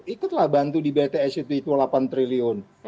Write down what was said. ikutlah bantu di bts itu delapan triliun